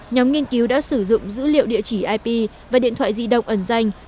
nhóm nghiên cứu đã sử dụng dữ liệu địa chỉ ip và điện thoại di động ẩn danh